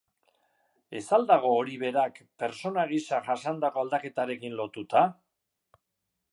Ez al dago hori berak pertsona gisa jasandako aldaketarekin lotuta?